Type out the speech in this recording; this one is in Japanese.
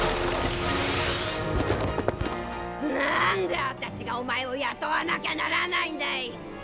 なんで私がお前を雇わなきゃならないんだい？